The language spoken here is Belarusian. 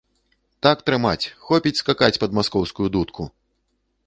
Так трымаць, хопіць скакаць пад маскоўскую дудку!